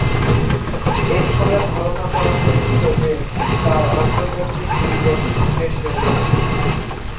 এরফলে ধারণা করা হয়েছিল যে, তার আন্তর্জাতিক ক্রিকেট শেষ হয়ে গেছে।